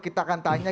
kita akan tanya